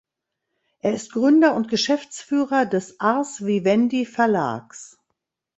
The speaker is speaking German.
Er ist Gründer und Geschäftsführer des ars vivendi verlags.